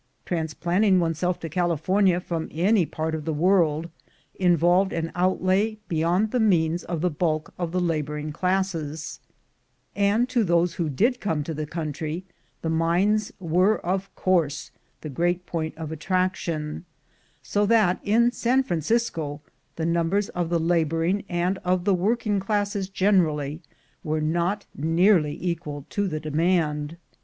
Transplanting oneself to California from any part of the world involved an outlay beyond the means of the bulk of the laboring classes; and to those who did come to the country, the mines were of course the great point of attraction; so that in San Francisco the numbers of the laboring and of the working classes generally, were not nearly equal to the demand.